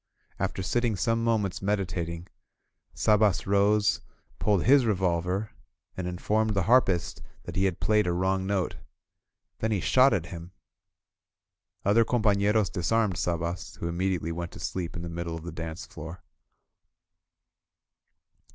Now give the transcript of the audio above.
After sitting some moments meditating, Sabas rose, pulled his re volver, and informed the harpist that he had played a wrong note. Then he shot at him. Other coni" pafieros disarmed Sabas, who immediately went to sleep in the middle of the dance floor.